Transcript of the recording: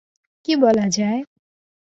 কি বলা যায়?